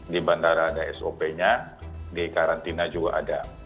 di bandara ada sop nya di karantina juga ada